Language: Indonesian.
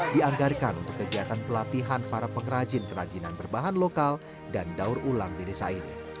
dianggarkan untuk kegiatan pelatihan para pengrajin kerajinan berbahan lokal dan daur ulang di desa ini